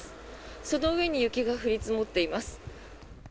その上に雪が降り積もっています。